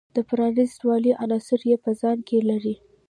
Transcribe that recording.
د پرانیست والي عناصر یې په ځان کې لرلی.